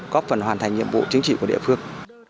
có phần hoàn thành nhiệm vụ chính trị của địa phương